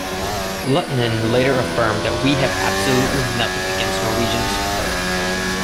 Luttinen later affirmed that We have absolutely nothing against Norwegians.